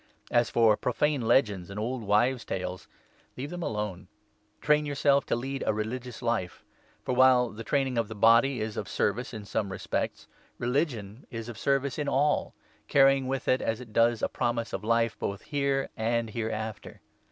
As for profane legends and old wives' tales, leave them 7 alone. Train yourself to lead a religious life ; for while the 8 training of the body is of service in some respects, religion is of service in all, carrying with it, as it does, a promise of Life both here and hereafter.